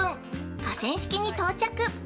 河川敷に到着！